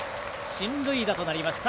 進塁打となりました。